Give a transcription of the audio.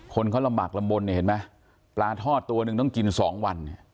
คนเขาระบักลำบลเห็นไหมปลาทอดตัวนึงต้องกินสองวัน